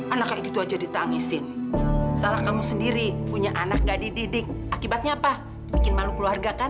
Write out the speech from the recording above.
anak kayak gitu aja ditangisin salah kami sendiri punya anak nggak dididik akibatnya apa bikin malu keluarga kan